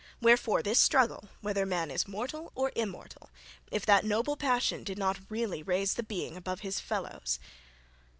Wherefore this struggle, whether man is mortal or immortal, if that noble passion did not really raise the being above his fellows?